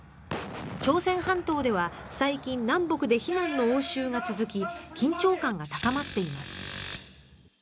朝鮮半島では最近、南北で非難の応酬が続き緊張感が高まっています。